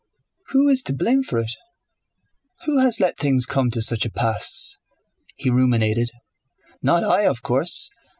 "Who is to blame for it? Who has let things come to such a pass?" he ruminated. "Not I, of course.